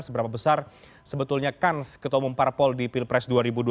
seberapa besar sebetulnya kans ketua umum parpol di pilpres dua ribu dua puluh